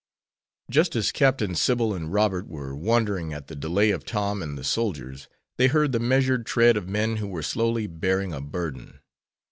Just as Captain Sybil and Robert were wondering at the delay of Tom and the soldiers they heard the measured tread of men who were slowly bearing a burden.